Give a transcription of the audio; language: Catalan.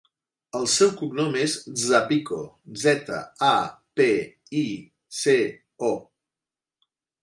El seu cognom és Zapico: zeta, a, pe, i, ce, o.